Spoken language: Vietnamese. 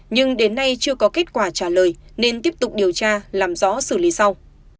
nhưng đến nay chưa có kết quả trả lời nên tiếp tục điều tra làm rõ xử lý sau